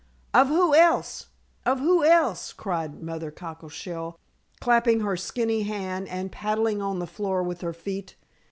"Of who else? of who else?" cried Mother Cockleshell, clapping her skinny hand and paddling on the floor with her feet.